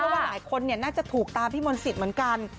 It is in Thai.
ว่าหลายคนน่าจะถูกตามพี่มนต์สิทธิ์เหมือนกัน